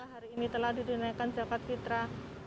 hari ini telah ditunaikan zakat fitrah